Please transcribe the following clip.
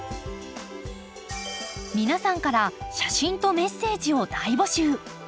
皆さんから写真とメッセージを大募集！